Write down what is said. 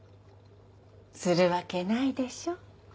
するわけないでしょ。